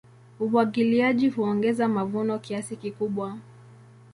Umwagiliaji huongeza mavuno kiasi kikubwa.